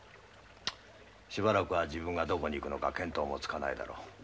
しばらくは自分がどこに行くのか見当もつかないだろう。